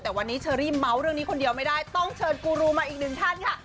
แต่วันนี้เชอรี่เมาส์เรื่องนี้คนเดียวไม่ได้ต้องเชิญกูรูมาอีกหนึ่งท่านค่ะ